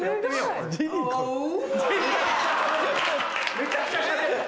めちゃくちゃしゃべる！